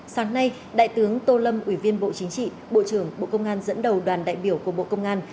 sáng nay đại tướng tô lâm ủy viên bộ chính trị bộ trưởng bộ công an dẫn đầu đoàn đại biểu của bộ công an